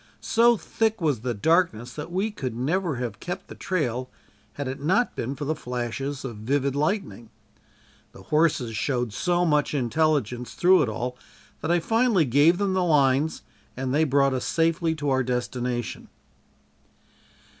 So thick was the darkness that we could never have kept the trail had it not been for the flashes of vivid lightning. The horses showed so much intelligence through it all that I finally gave them the lines and they brought us safely to our destination.